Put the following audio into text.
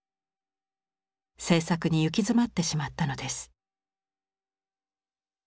制作に行き詰まってしまったのです。